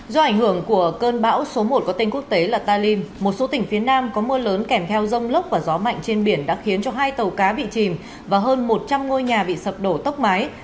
do ảnh hưởng của cơn bão số một có tên quốc tế là talim một số tỉnh phía nam có mưa lớn kèm theo rông lốc và gió mạnh trên biển đã khiến cho hai tàu cá bị chìm và hơn một trăm linh ngôi nhà bị sập đổ tốc mái